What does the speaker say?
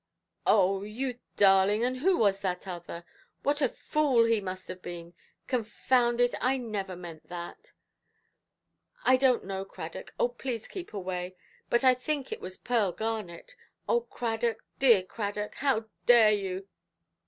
"Oh, you darling! and who was that other? What a fool he must have been! Confound it, I never meant that". "I donʼt know, Cradock. Oh, please keep away. But I think it was Pearl Garnet. Oh, Cradock, dear Cradock, how dare you?